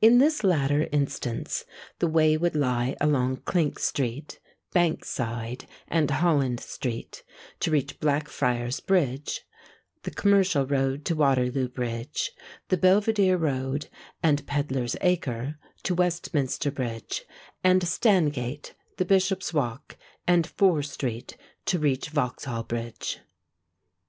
In this latter instance, the way would lie along Clink Street, Bankside, and Holland Street, to reach Blackfriars Bridge; the Commercial Road to Waterloo Bridge; the Belvidere Road, and Pedlar's Acre, to Westminster Bridge; and Stangate, the Bishop's Walk, and Fore Street, to reach Vauxhall Bridge.